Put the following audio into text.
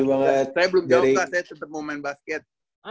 saya belum tahu saya tetap mau main basket